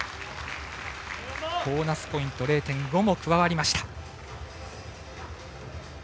ボーナスポイント、０．５も加わりました。